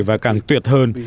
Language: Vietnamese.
và càng tuyệt hơn